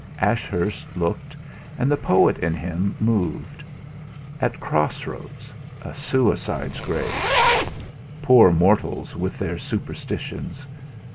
Ashurst looked, and the poet in him moved. At cross roads a suicide's grave! Poor mortals with their superstitions!